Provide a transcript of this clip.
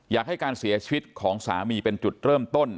อยากให้การเสียชีวิตของสามีเป็นจุดเริ่มต้น